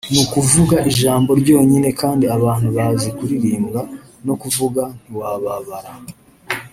n’ukuvuga ijambo ryonyine kandi abantu bazi kuririmbwa no kuvuga ntiwababara